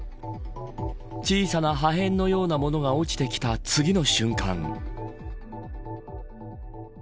小さな破片のようなものが落ちてきた次の瞬間。